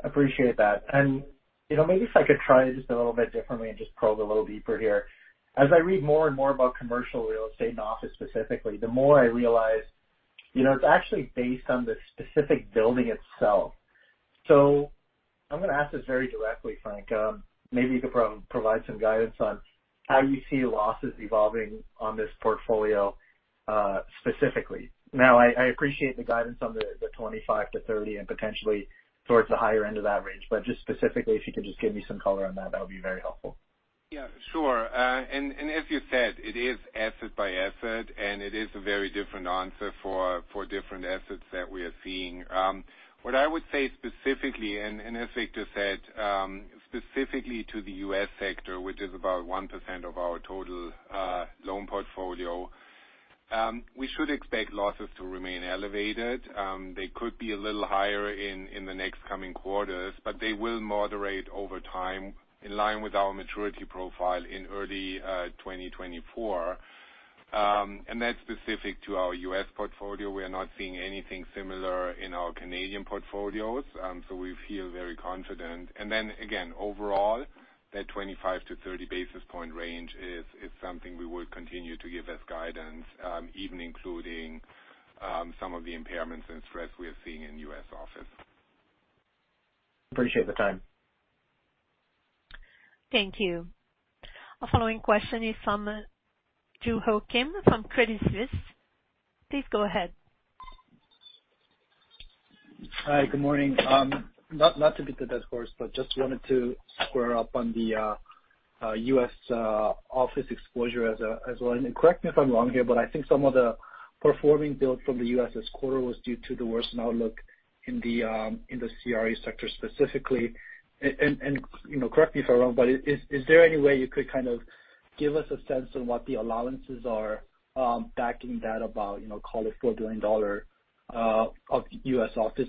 Appreciate that. You know, maybe if I could try just a little bit differently and just probe a little deeper here. As I read more and more about commercial real estate and office specifically, the more I realize, you know, it's actually based on the specific building itself. I'm going to ask this very directly, Frank. Maybe you could provide some guidance on how you see losses evolving on this portfolio, specifically. Now, I appreciate the guidance on the 25-30 and potentially towards the higher end of that range. Just specifically, if you could just give me some color on that would be very helpful. Yeah, sure. As you said, it is asset by asset, and it is a very different answer for different assets that we are seeing. What I would say specifically, and as Victor said, specifically to the U.S. sector, which is about 1% of our total loan portfolio, we should expect losses to remain elevated. They could be a little higher in the next coming quarters, but they will moderate over time, in line with our maturity profile in early 2024. That's specific to our U.S. portfolio. We are not seeing anything similar in our Canadian portfolios, we feel very confident. Again, overall, that 25-30 basis point range is something we will continue to give as guidance, even including some of the impairments and stress we are seeing in U.S. office. Appreciate the time. Thank you. Our following question is fromJosiah Kim from Credit Suisse. Please go ahead. Hi, good morning. Not to beat the dead horse, but just wanted to square up on the US office exposure as well. Correct me if I'm wrong here, but I think some of the performing build from the US this quarter was due to the worsened outlook in the CRE sector specifically. You know, correct me if I'm wrong, but is there any way you could kind of give us a sense of what the allowances are backing that about, you know, call it $4 billion of US office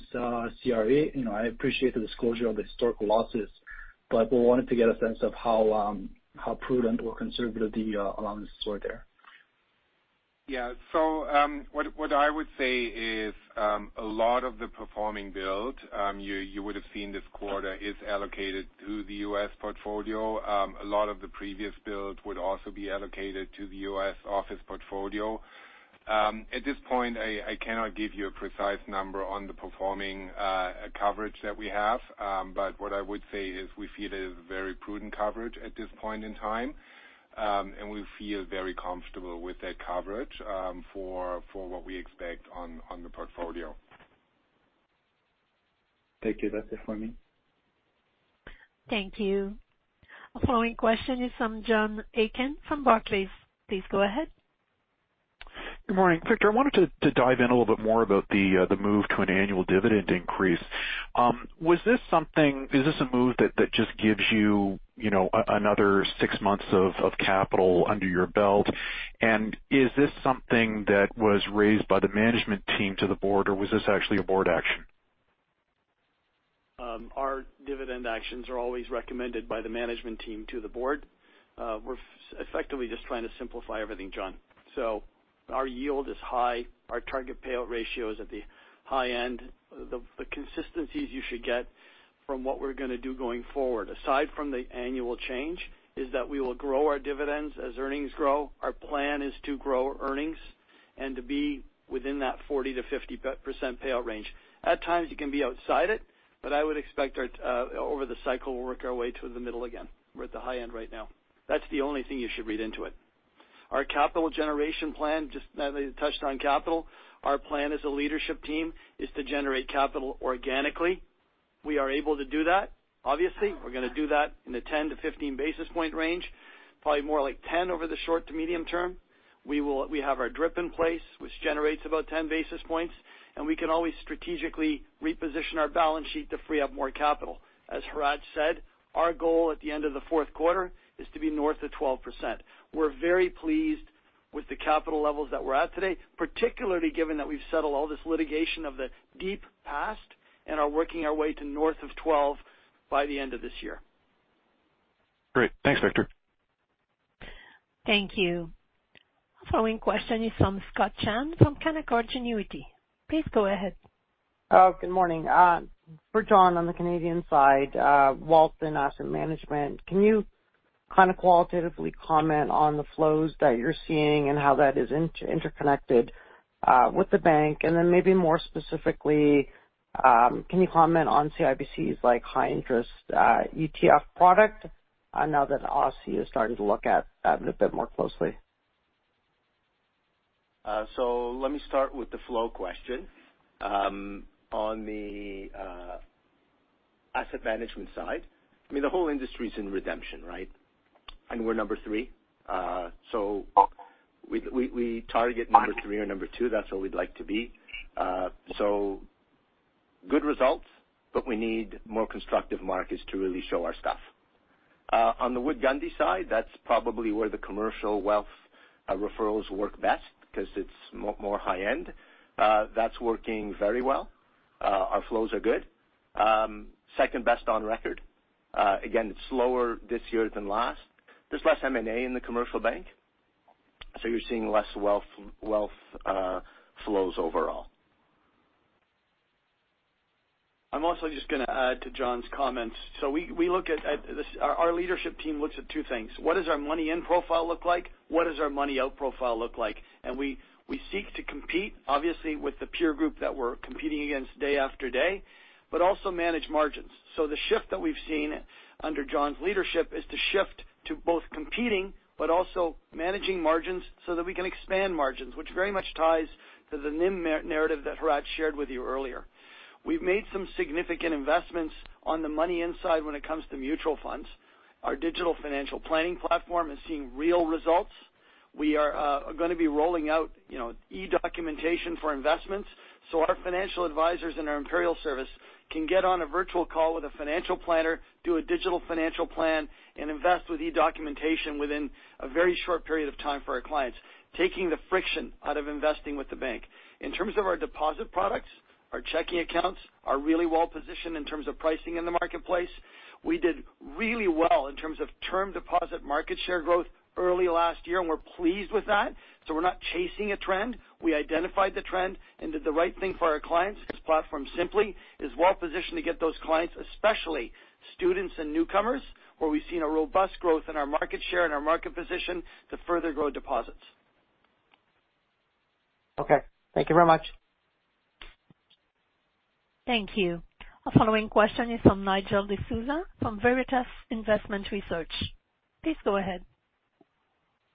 CRE? You know, I appreciate the disclosure of historical losses, but we wanted to get a sense of how prudent or conservative the allowances were there. Yeah. What I would say is a lot of the performing build you would have seen this quarter is allocated to the U.S. portfolio. A lot of the previous build would also be allocated to the U.S. office portfolio. At this point, I cannot give you a precise number on the performing coverage that we have. What I would say is we feel it is a very prudent coverage at this point in time. We feel very comfortable with that coverage for what we expect on the portfolio. Thank you. That's it for me. Thank you. Our following question is from John Aiken from Barclays. Please go ahead. Good morning, Victor, I wanted to dive in a little bit more about the move to an annual dividend increase. Was this something, is this a move that just gives you know, another six months of capital under your belt? Is this something that was raised by the management team to the board, or was this actually a board action? Our dividend actions are always recommended by the management team to the board. We're effectively just trying to simplify everything, John Aiken. Our yield is high. Our target payout ratio is at the high end. The consistencies you should get from what we're going to do going forward, aside from the annual change, is that we will grow our dividends as earnings grow. Our plan is to grow earnings and to be within that 40%-50% payout range. At times, you can be outside it, but I would expect our over the cycle, we'll work our way to the middle again. We're at the high end right now. That's the only thing you should read into it. Our capital generation plan, just now that you touched on capital, our plan as a leadership team is to generate capital organically. We are able to do that. Obviously, we're going to do that in the 10-15 basis point range, probably more like 10 over the short to medium term. We have our DRIP in place, which generates about 10 basis points, and we can always strategically reposition our balance sheet to free up more capital. As Hratch said, our goal at the end of the fourth quarter is to be north of 12%. We're very pleased with the capital levels that we're at today, particularly given that we've settled all this litigation of the deep past and are working our way to north of 12 by the end of this year. Great. Thanks, Victor. Thank you. Our following question is from Scott Chan from Canaccord Genuity. Please go ahead. Good morning. For Geoff, on the Canadian side, wealth and asset management, can you kind of qualitatively comment on the flows that you're seeing and how that is interconnected with the bank? Maybe more specifically, can you comment on CIBC's, like, high interest ETF product, now that OSFI is starting to look at that a bit more closely? Let me start with the flow question. On the asset management side, I mean, the whole industry is in redemption, right? We're number three. We target number three or number two. That's what we'd like to be. Good results, but we need more constructive markets to really show our stuff. On the Wood Gundy side, that's probably where the commercial wealth referrals work best because it's more high-end. That's working very well. Our flows are good. Second best on record. Again, it's slower this year than last. There's less M&A in the commercial bank, you're seeing less wealth flows overall. I'm also just going to add to John's comments. We look at this... Our leadership team looks at two things: What does our money in profile look like? What does our money out profile look like? We seek to compete, obviously, with the peer group that we're competing against day after day, but also manage margins. The shift that we've seen under John's leadership is to shift to both competing but also managing margins so that we can expand margins, which very much ties to the NIM narrative that Hratch shared with you earlier. We've made some significant investments on the money inside when it comes to mutual funds. Our digital financial planning platform is seeing real results. We are going to be rolling out, you know, e-documentation for investments, so our financial advisors in our CIBC Imperial Service can get on a virtual call with a financial planner, do a digital financial plan, and invest with e-documentation within a very short period of time for our clients, taking the friction out of investing with the bank. In terms of our deposit products, our checking accounts are really well positioned in terms of pricing in the marketplace. We did really well in terms of term deposit market share growth early last year, and we're pleased with that. We're not chasing a trend. We identified the trend and did the right thing for our clients. This platform Simplii is well positioned to get those clients, especially students and newcomers, where we've seen a robust growth in our market share and our market position to further grow deposits. Okay. Thank you very much. Thank you. Our following question is from Nigel D'Souza from Veritas Investment Research. Please go ahead.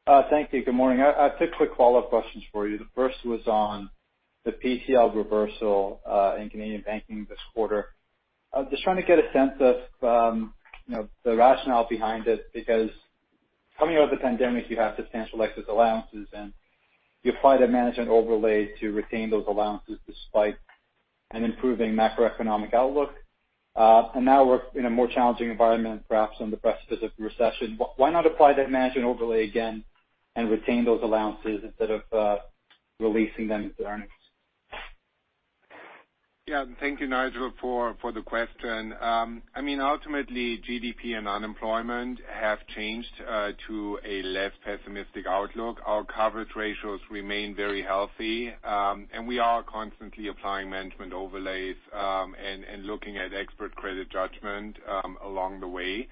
Thank you. I have two quick follow-up questions for you. The first was on the PCL reversal in Canadian Banking this quarter. I was just trying to get a sense of, you know, the rationale behind it, because coming out of the pandemic, you have substantial excess allowances, and you apply that management overlay to retain those allowances despite an improving macroeconomic outlook. Now we're in a more challenging environment, perhaps on the precipice of recession. Why not apply that management overlay again and retain those allowances instead of releasing them into earnings? Yeah. Thank you, Nigel, for the question. I mean, ultimately, GDP and unemployment have changed to a less pessimistic outlook. Our coverage ratios remain very healthy, and we are constantly applying management overlays, and looking at expert credit judgment along the way.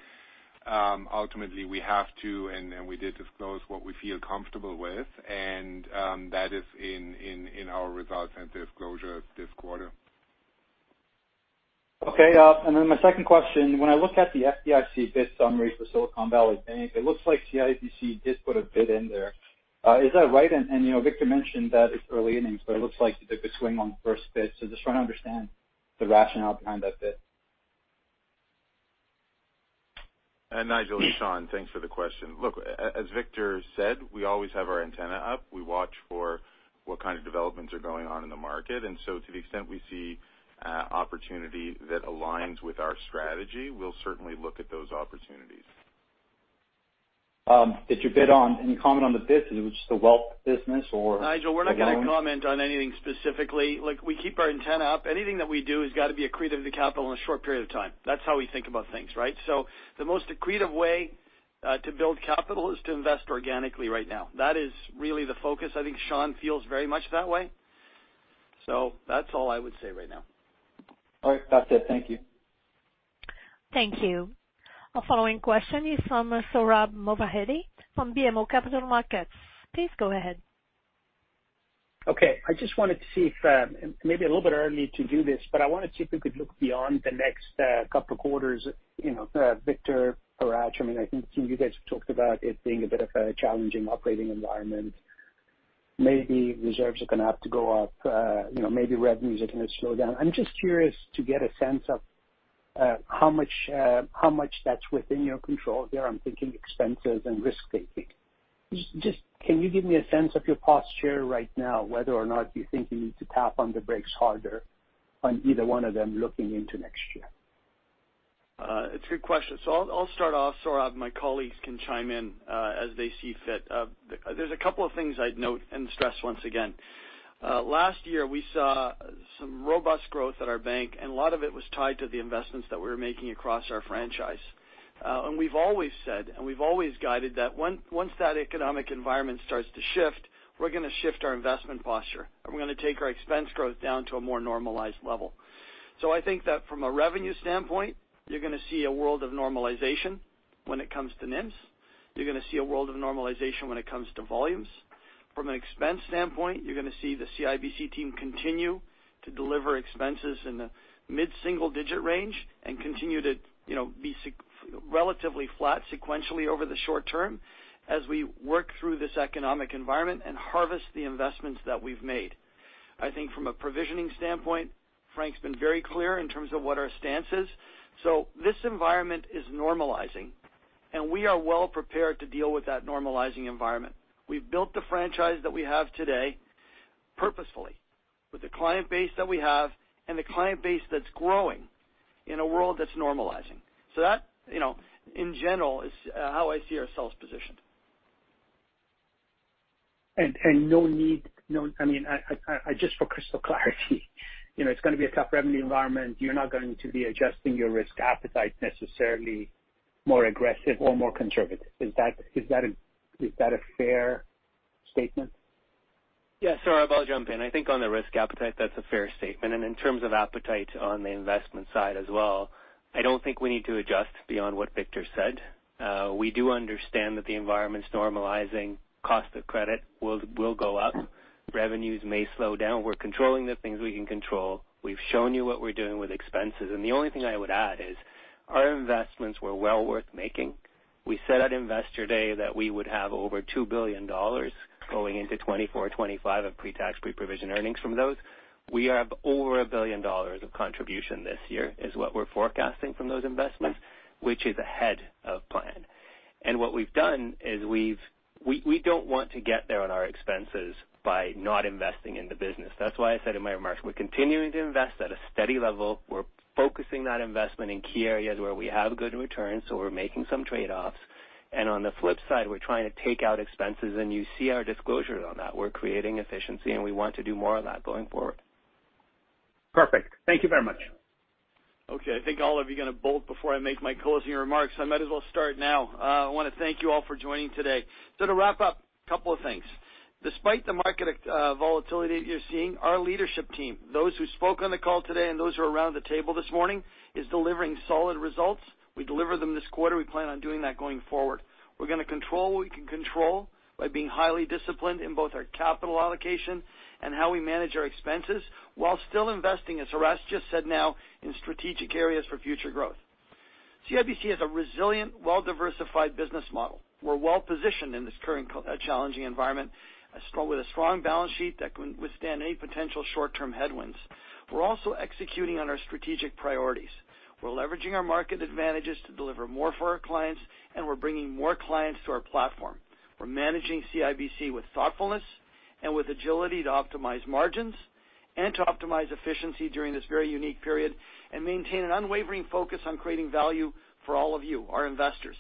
Ultimately, we have to, and we did disclose what we feel comfortable with, and that is in our results and disclosure this quarter. Okay, my second question, when I look at the FDIC bid summary for Silicon Valley Bank, it looks like CIBC did put a bid in there. Is that right? You know, Victor mentioned that it's early innings, but it looks like you took a swing on the first bid. Just trying to understand the rationale behind that bid. Nigel, it's Sean. Thanks for the question. Look, as Victor said, we always have our antenna up. We watch for what kind of developments are going on in the market. To the extent we see, opportunity that aligns with our strategy, we'll certainly look at those opportunities. Any comment on the bid? Is it just the wealth business or-? Nigel, we're not going to comment on anything specifically. Look, we keep our antenna up. Anything that we do has got to be accretive to capital in a short period of time. That's how we think about things, right? The most accretive way to build capital is to invest organically right now. That is really the focus. I think Sean feels very much that way. That's all I would say right now. All right. That's it. Thank you. Thank you. Our following question is from Sohrab Movahedi from BMO Capital Markets. Please go ahead. Okay. I just wanted to see if, maybe a little bit early to do this, but I wanted to see if we could look beyond the next couple of quarters. You know, Victor, Hratch Panossian, I mean, I think you guys have talked about it being a bit of a challenging operating environment. Maybe reserves are going to have to go up, you know, maybe revenues are going to slow down. I'm just curious to get a sense of how much, how much that's within your control there. I'm thinking expenses and risk-taking. Just, can you give me a sense of your posture right now, whether or not you think you need to tap on the brakes harder on either one of them looking into next year? It's a good question. I'll start off, Sohrab. My colleagues can chime in as they see fit. There's a couple of things I'd note and stress once again. Last year, we saw some robust growth at our bank, and a lot of it was tied to the investments that we were making across our franchise. And we've always said, and we've always guided that once that economic environment starts to shift, we're going to shift our investment posture, and we're going to take our expense growth down to a more normalized level. I think that from a revenue standpoint, you're going to see a world of normalization when it comes to NIM. You're going to see a world of normalization when it comes to volumes. From an expense standpoint, you're going to see the CIBC team continue to deliver expenses in the mid-single-digit range and continue to, you know, be relatively flat sequentially over the short term as we work through this economic environment and harvest the investments that we've made. I think from a provisioning standpoint, Frank's been very clear in terms of what our stance is. This environment is normalizing, and we are well prepared to deal with that normalizing environment. We've built the franchise that we have today purposefully, with the client base that we have and the client base that's growing in a world that's normalizing. That, you know, in general, is how I see ourselves positioned. No need, I mean, I just for crystal clarity, you know, it's going to be a tough revenue environment. You're not going to be adjusting your risk appetite necessarily more aggressive or more conservative. Is that a fair statement? Yeah, Sohrab, I'll jump in. I think on the risk appetite, that's a fair statement. In terms of appetite on the investment side as well, I don't think we need to adjust beyond what Victor Dodig said. We do understand that the environment's normalizing. Cost of credit will go up. Revenues may slow down. We're controlling the things we can control. We've shown you what we're doing with expenses, and the only thing I would add is, our investments were well worth making. We said at Investor Day that we would have over 2 billion dollars going into 2024, 2025 of pre-tax, pre-provision earnings from those. We have over 1 billion dollars of contribution this year, is what we're forecasting from those investments, which is ahead of plan. What we've done is we don't want to get there on our expenses by not investing in the business. That's why I said in my remarks, we're continuing to invest at a steady level. We're focusing that investment in key areas where we have good returns, so we're making some trade-offs. On the flip side, we're trying to take out expenses, and you see our disclosures on that. We're creating efficiency, and we want to do more of that going forward. Perfect. Thank you very much. Okay, I think all of you are going to bolt before I make my closing remarks, so I might as well start now. I want to thank you all for joining today. To wrap up, a couple of things. Despite the market volatility that you're seeing, our leadership team, those who spoke on the call today and those who are around the table this morning, is delivering solid results. We delivered them this quarter. We plan on doing that going forward. We're going to control what we can control by being highly disciplined in both our capital allocation and how we manage our expenses, while still investing, as Hratch just said now, in strategic areas for future growth. CIBC has a resilient, well-diversified business model. We're well-positioned in this current challenging environment, with a strong balance sheet that can withstand any potential short-term headwinds. We're also executing on our strategic priorities. We're leveraging our market advantages to deliver more for our clients, and we're bringing more clients to our platform. We're managing CIBC with thoughtfulness and with agility to optimize margins and to optimize efficiency during this very unique period and maintain an unwavering focus on creating value for all of you, our investors.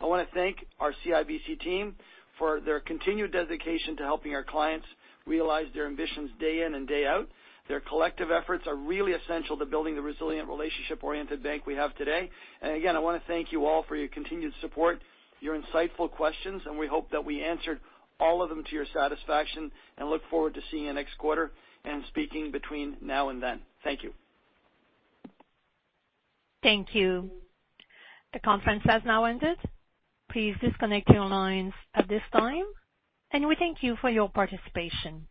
I want to thank our CIBC team for their continued dedication to helping our clients realize their ambitions day in and day out. Their collective efforts are really essential to building the resilient, relationship-oriented bank we have today. Again, I want to thank you all for your continued support, your insightful questions, and we hope that we answered all of them to your satisfaction, and look forward to seeing you next quarter and speaking between now and then. Thank you. Thank you. The conference has now ended. Please disconnect your lines at this time, and we thank you for your participation.